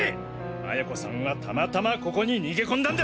麻也子さんはたまたまここに逃げ込んだんだ！